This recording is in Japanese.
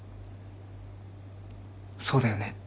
そうだよね？